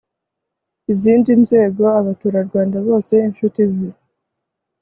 izindi nzego abaturarwanda bose inshutize